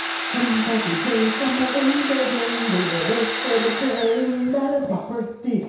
The company became engaged in real estate, acquiring land properties.